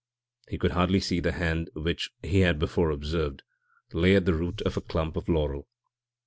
He could hardly see the hand which, he had before observed, lay at the root of a clump of laurel.